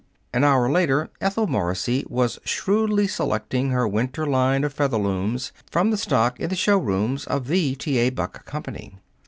An hour later, Ethel Morrissey was shrewdly selecting her winter line of Featherlooms from the stock in the showrooms of the T. A. Buck Company.